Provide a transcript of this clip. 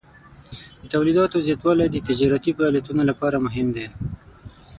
د تولیداتو زیاتوالی د تجارتي فعالیتونو لپاره مهم دی.